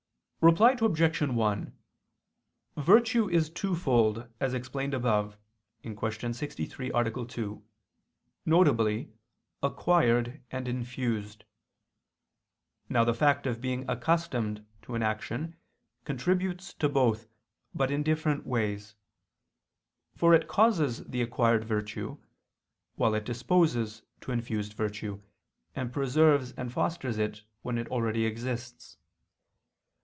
Reply Obj. 1: Virtue is twofold, as explained above (Q. 63, A. 2), viz. acquired and infused. Now the fact of being accustomed to an action contributes to both, but in different ways; for it causes the acquired virtue; while it disposes to infused virtue, and preserves and fosters it when it already exists.